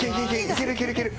いけるいけるいける！